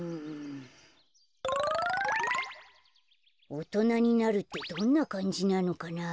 おとなになるってどんなかんじなのかなあ。